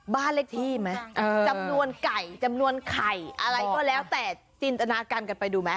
บ้านเลขที่ไหมจำนวนไก่จำนวนไข่อะไรก็แล้วแต่จินตนาการกันไปดูไหม